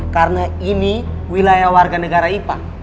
karena ini wilayah warga negara ipa